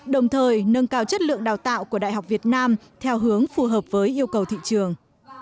đồng thời nâng cao chất lượng đào tạo của đại học việt nam theo hướng phù hợp với yêu cầu thị trường